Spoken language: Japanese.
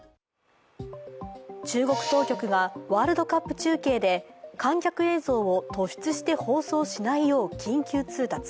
中国当局はワールドカップ中継で観客映像を突出して放送しないよう緊急通達。